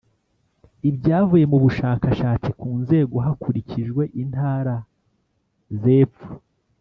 Ibyavuye mu bushakashatsi ku nzego hakurikijwe intara z’ epfo